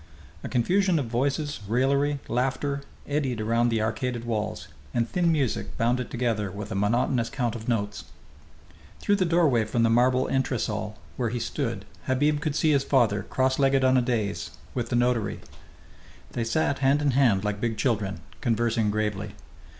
A confusion of voices, raillery, laughter, eddied around the arcaded walls, and thin music bound it together with a monotonous count of notes. Through the doorway from the marble entresol where he stood Habib could see his father, cross legged on a dais, with the notary. They sat hand in hand like big children, conversing gravely.